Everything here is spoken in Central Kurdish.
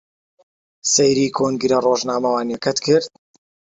سەیری کۆنگرە ڕۆژنامەوانییەکەت کرد؟